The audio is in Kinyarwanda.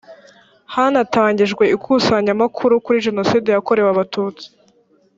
hanatangijwe ikusanyamakuru kuri jenocide yakorewe abatutsi